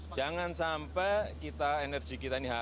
jangan sampai energi kita ini harus